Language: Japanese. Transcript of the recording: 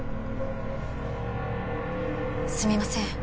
すみません。